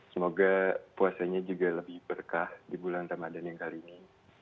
semoga puasanya juga lebih berkah di bulan ramadan yang kali ini